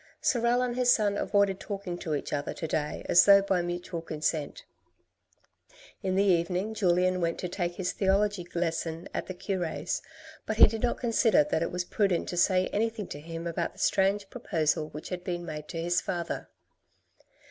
Sorel and his son avoided talking to each other to day as though by mutual consent. In the evening Julien went to A NEGOTIATION 21 take his theology lesson at the cure's, but he did not consider that it was prudent to say anything to him about the strange proposal which had been made to his father.